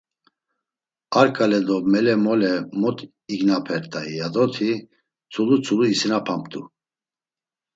Ar ǩale do mele mole mot ignapert̆ay yadoti, tzulu tzulu isinapamt̆u.